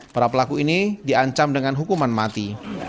para pelaku ini diancam dengan hukuman mati